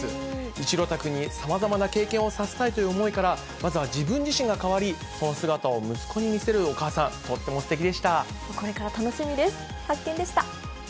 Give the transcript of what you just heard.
一朗太君にさまざまな経験をさせたいという思いから、まずは自分自身が変わり、その姿を息子に見せるお母さん、とってもすてきでこれから楽しみです。